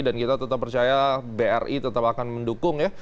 dan kita tetap percaya bri tetap akan mendukung ya